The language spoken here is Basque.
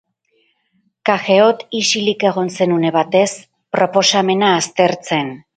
Cageot isilik egon zen une batez, proposamena aztertzen.